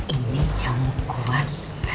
ini camu kuat